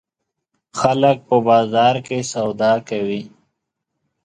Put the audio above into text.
خلک په بازار کې سودا کوي.